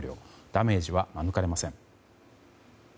ダメージは免れません。